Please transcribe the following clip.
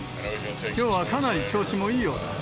きょうはかなり調子もいいようだ。